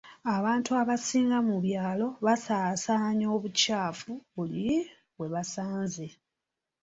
Abantu abasinga mu byalo basaasaanya obukyafu buli we basanze.